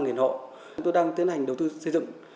chúng tôi đang tiến hành đầu tư xây dựng